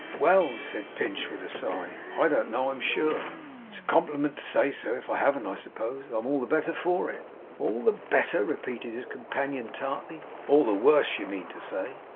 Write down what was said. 'Well!' said Pinch with a sigh, 'I don't know, I'm sure. It's compliment to say so. If I haven't, I suppose, I'm all the better for it.' 'All the better!' repeated his companion tartly: 'All the worse, you mean to say.